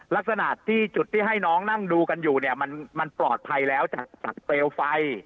ลักษณะที่จุดที่ให้น้องนั่งดูกันอยู่เนี่ยมันปลอดภัยแล้วจากเปลวไฟ